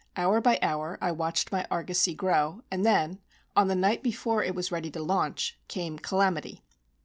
Hour by hour I watched my argosy grow, and then on the night before it was ready to launch came "Calamity."